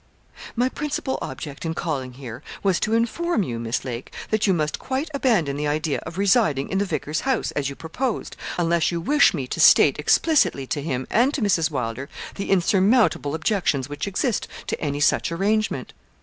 'My principal object in calling here was to inform you, Miss Lake, that you must quite abandon the idea of residing in the vicar's house, as you proposed, unless you wish me to state explicitly to him and to Mrs. Wylder the insurmountable objections which exist to any such arrangement.